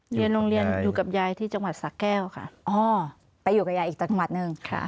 เรียนโรงเรียนอยู่กับยายที่จังหวัดสะแก้วค่ะอ๋อไปอยู่กับยายอีกจังหวัดหนึ่งค่ะ